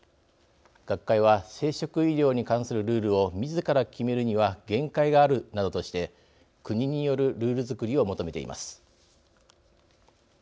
学会は生殖医療に関するルールをみずから決めるには限界があるなどとして国によるルールづくりを求めています。